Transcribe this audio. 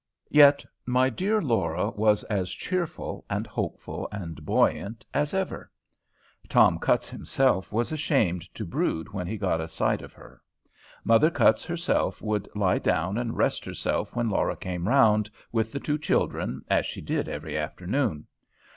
Yet my dear Laura was as cheerful, and hopeful, and buoyant as ever. Tom Cutts himself was ashamed to brood when he got a sight of her. Mother Cutts herself would lie down and rest herself when Laura came round, with the two children, as she did every afternoon.